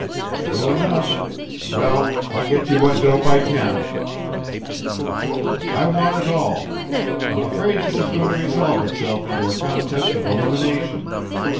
"True enough! Well, I'll get you what dope I can." "I want it all. I'm afraid this is going to resolve itself into a contest of elimination.